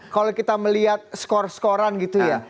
kalau kita melihat skor skoran gitu ya